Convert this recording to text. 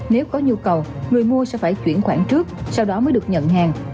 nếu có nhu cầu người mua sẽ phải chuyển khoản trước sau đó mới được nhận hàng